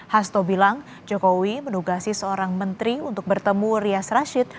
hasto bilang jokowi menugasi seorang menteri untuk bertemu rias rashid